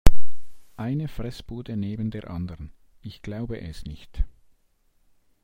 Eine Fressbude neben der anderen, ich glaube es nicht!